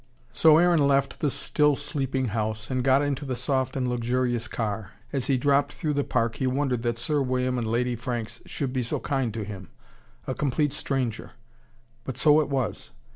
So Aaron left the still sleeping house, and got into the soft and luxurious car. As he dropped through the park he wondered that Sir William and Lady Franks should be so kind to him: a complete stranger. But so it was.